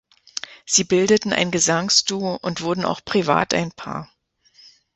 Sie bildeten ein Gesangsduo und wurden auch privat ein Paar.